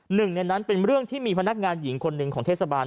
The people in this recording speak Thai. หนึ่งในนั้นเป็นเรื่องที่มีพนักงานหญิงคนหนึ่งของเทศบาล